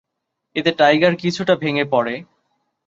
এতে টাইগার কিছুটা ভেঙ্গে পড়ে।